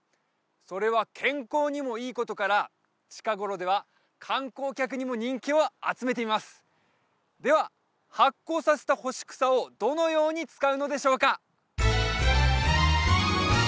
それは健康にもいいことから近頃では観光客にも人気を集めていますでは発酵させた干し草をどのように使うのでしょうか？